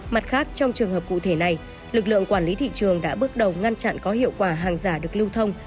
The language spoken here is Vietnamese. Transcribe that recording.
mặt khác trong trường hợp cụ thể này lực lượng quản lý thị trường đã bước đầu ngăn chặn có hiệu quả hàng giả được lưu thông